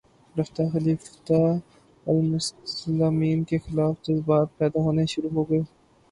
رفتہ خلیفتہ المسلمین کے خلاف جذبات پیدا ہونے شروع ہوگئے